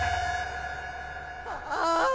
ああ！